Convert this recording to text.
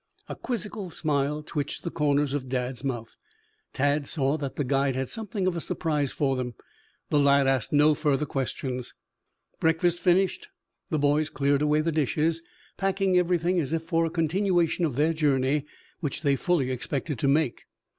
A quizzical smile twitched the corners of Dad's mouth. Tad saw that the guide had something of a surprise for them. The lad asked no further questions. Breakfast finished, the boys cleared away the dishes, packing everything as if for a continuation of their journey, which they fully expected to make.